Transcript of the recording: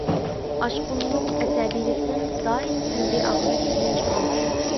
ئاشقۇنلۇق، ئەسەبىيلىكتىن دائىم سەلبىي ئاقىۋەت كېلىپ چىقىدۇ.